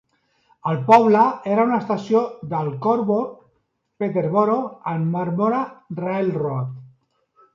El poble era una estació del Cobourg Peterboro and Marmora Railroad.